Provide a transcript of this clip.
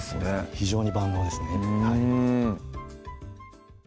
非常に万能ですねうん